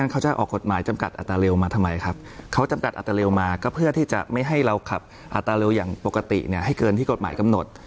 เขาจำกัดอัตราเร็วมาก็เพื่อที่จะไม่ให้เราขับอัตราเร็วอย่างปกติเนี่ยให้เกินที่กฎหมายกำหนด